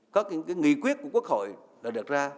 các nghị quyết của quốc hội đã đạt ra